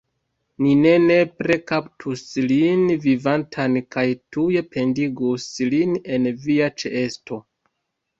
Ni nepre kaptus lin vivantan kaj tuj pendigus lin en via ĉeesto!